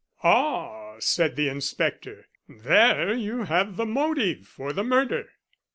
"Ah," said the inspector, "there you have the motive for the murder."